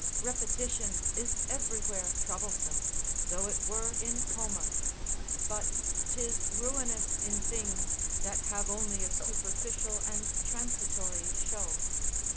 Repetition is everywhere troublesome, though it were in Homer; but 'tis ruinous in things that have only a superficial and transitory show.